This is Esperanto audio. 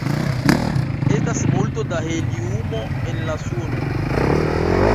Estas multo da heliumo en la suno.